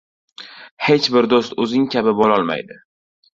— Hech bir do‘st o‘zing kabi bo‘lolmaydi.